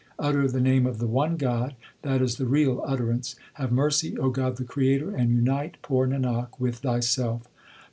Utter the name of the one God ; that is the real utterance. Have mercy, O God the Creator, And unite poor Nanak with Thyself.